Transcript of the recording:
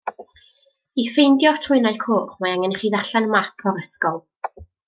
I ffeindio'r trwynau coch mae angen i chi ddarllen map o'r ysgol.